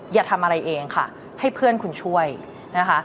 อย่าทำอะไรเองค่ะให้เพื่อนคุณช่วยนะคะ